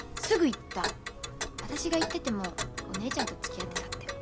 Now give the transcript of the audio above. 私が言っててもお姉ちゃんとつきあってたって。